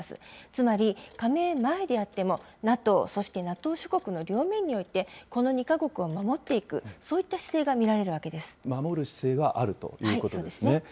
つまり、加盟前であっても、ＮＡＴＯ、そしてＮＡＴＯ諸国の両面において、この２か国を守っていく、そういった姿勢が見られるわ守る姿勢があるということでそうですね。